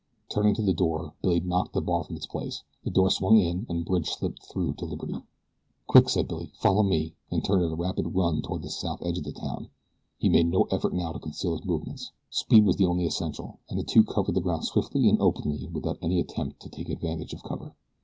Turning to the door Billy knocked the bar from its place, the door swung in and Bridge slipped through to liberty. "Quick!" said Billy. "Follow me," and turned at a rapid run toward the south edge of the town. He made no effort now to conceal his movements. Speed was the only essential, and the two covered the ground swiftly and openly without any attempt to take advantage of cover.